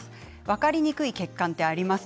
分かりにくい血管てあります。